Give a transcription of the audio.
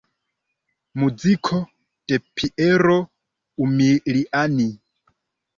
Muziko de Piero Umiliani.